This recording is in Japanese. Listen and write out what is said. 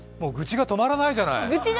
愚痴が止まらないじゃない。